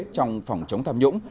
trong phòng chống tham nhũng